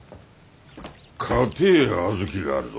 かてえ小豆があるぞ。